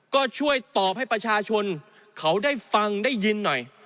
ก็ช่วยตอบให้ประชาชนเขาได้ฟังได้ยินหน่อย